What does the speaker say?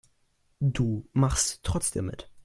Du machst trotzdem mit.